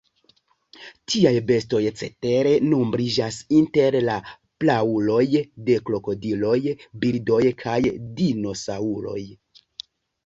Tiaj bestoj cetere nombriĝas inter la prauloj de krokodiloj, birdoj kaj dinosaŭroj.